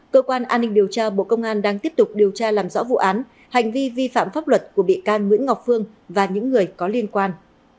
cơ quan an ninh điều tra bộ công an đang tiếp tục điều tra làm rõ vụ án hành vi vi phạm pháp luật của bị can nguyễn ngọc phương và những người có liên quan